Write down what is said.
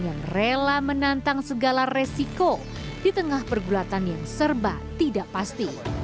yang rela menantang segala resiko di tengah pergulatan yang serba tidak pasti